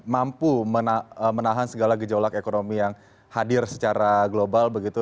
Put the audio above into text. mampu menahan segala gejolak ekonomi yang hadir secara global begitu